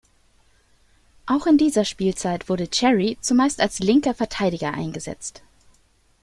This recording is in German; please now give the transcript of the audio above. Auch in dieser Spielzeit wurde Cherry zumeist als linker Verteidiger eingesetzt.